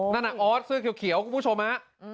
นั่นน่ะออสเสื้อเขียวคุณผู้ชมฮะ